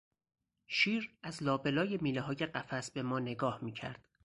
شیر از لا به لای میلههای قفس به ما نگاه میکرد.